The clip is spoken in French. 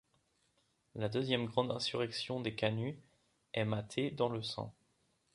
La deuxième grande insurrection des canuts est matée dans le sang.